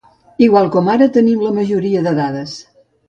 Igual com ara tenim la majoria de dades.